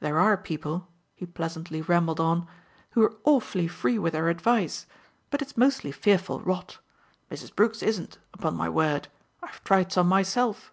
There are people," he pleasantly rambled on, "who are awfully free with their advice, but it's mostly fearful rot. Mrs. Brook's isn't, upon my word I've tried some myself!"